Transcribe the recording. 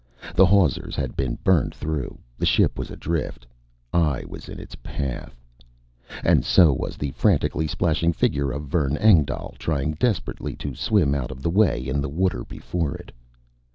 The hawsers had been burned through, the ship was adrift, I was in its path And so was the frantically splashing figure of Vern Engdahl, trying desperately to swim out of the way in the water before it.